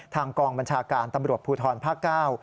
กองบัญชาการตำรวจภูทรภาคเก้า